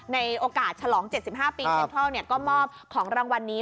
ในโอกาสฉลอง๗๕ปีเซ็นทรัลก็มอบของรางวัลนี้